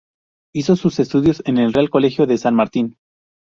Hizo sus estudios en el Real Colegio de San Martín.